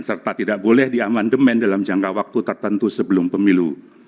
serta tidak boleh diamandemen dalam jangka waktu tertentu sebelum pemilu